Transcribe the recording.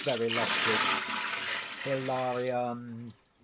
very lofty." HILARION.